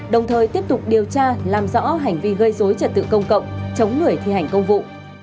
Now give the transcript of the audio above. đồng thời tiếp tục điều tra làm rõ hành vi gây dối trật tự công cộng chống người thi hành công vụ